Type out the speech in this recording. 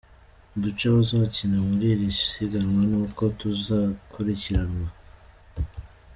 Uduce bazakina muri iri siganwa n’uko tuzakurikiranwa.